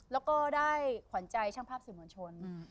แล้วก็ได้ขวัญใจช่างภาพสื่อมวลชน